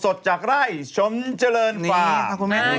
สดจากไร่ชนเจริญฟาร์ม